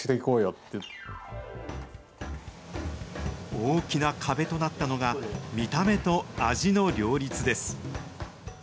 大きな壁となったのが、見た目と味の両立です。